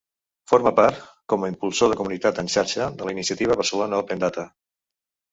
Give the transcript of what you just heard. Forma part, com a impulsor de comunitat en xarxa, de la Iniciativa Barcelona Open Data.